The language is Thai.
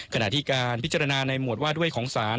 ขณะที่การพิจารณาในหมวดว่าด้วยของศาล